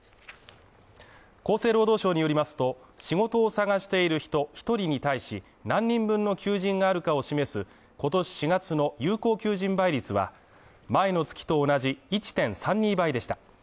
厚生労働省によりますと、仕事を探している人１人に対し、何人分の求人があるかを示す今年４月の有効求人倍率は、前の月と同じ１．３２倍でした。